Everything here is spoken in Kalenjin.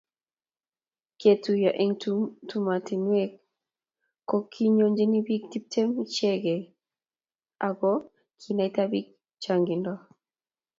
ketuiyo eng' tumotinwek ko kiyonjini biik tiptem ichegei aku kinaita biik chang'indo